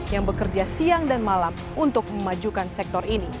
yang bekerja siang dan malam untuk memajukan sektor ini